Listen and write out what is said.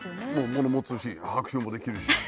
もの持つし拍手もできるし。